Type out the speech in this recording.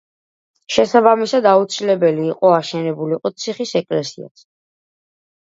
შესაბამისად აუცილებელი იყო აშენებულიყო ციხის ეკლესიაც.